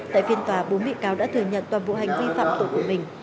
tại phiên tòa bốn bị cáo đã thừa nhận toàn bộ hành vi phạm tội của mình